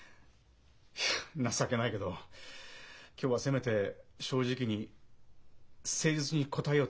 いや情けないけど今日はせめて正直に誠実に答えようと思ってさ。